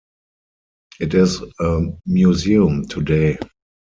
It is a museum today.